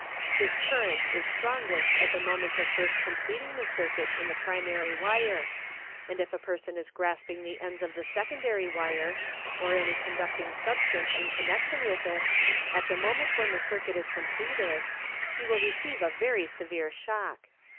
This current is strongest at the moment of first completing the circuit in the primary wire, and if a person is grasping the ends of the secondary wire, «jt any conducting substance in connection with it, at the moment when the circuit is completed, he will receive a very severe shock.